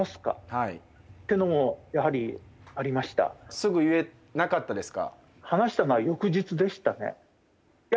すぐ言えなかったですか？